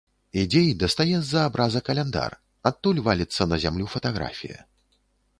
Ідзе і дастае з-за абраза каляндар, адтуль валіцца на зямлю фатаграфія.